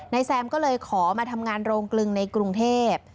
แซมก็เลยขอมาทำงานโรงกลึงในกรุงเทพ